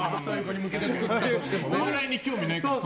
お笑いに興味ないから。